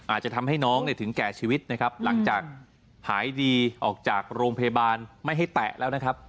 อาจจะทำให้น้องเนี่ยถึงแก่ชีวิตนะครับหลังจากหายดีออกจากโรงพยาบาลไม่ให้แตะแล้วนะครับ